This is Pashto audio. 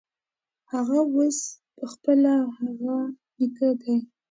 هغه اوس پخپله هغه نیکه دی.